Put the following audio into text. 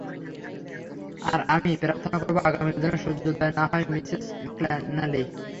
আর আমি প্রার্থনা করব আগামীকাল যেন সূর্যোদয় না হয়, মিসেস ম্যাকনালি।